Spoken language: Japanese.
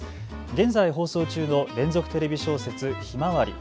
現在放送中の連続テレビ小説ひまわり。